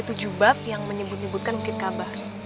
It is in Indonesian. ada tujuh bab yang menyebut nyebutkan bukit kabah